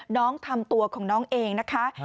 ทำตัวของน้องเองนะคะ